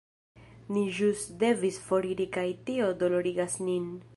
Ni ĵus devis foriri kaj tio dolorigas nin.